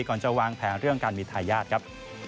ก่อนจะวางแผนเรื่องการมีทายาทครับ